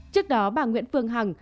trước đó bà nguyễn phương hằng